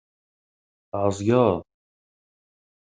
Tɛeẓged?